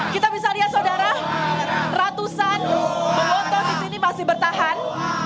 kita bisa lihat saudara ratusan penonton di sini masih bertahan